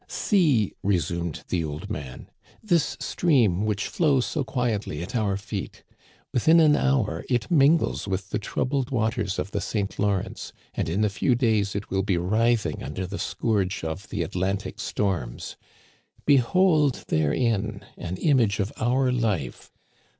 " See," resumed the old man, " this stream which flows so quietly at our feet. Within an hour it mingles with the troubled waters of the St. Lawrence, and in a Digitized by VjOOQIC 142 THE CANADIANS OF OLD. few days it will be writhing under the scourge of the Atlantic storms. Behold therein an image of our life